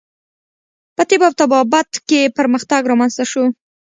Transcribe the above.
په طب او طبابت کې پرمختګ رامنځته شو.